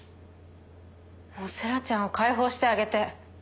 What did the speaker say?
もう星来ちゃんを解放してあげて。